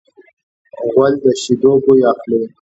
غول د شیدو بوی اخلي.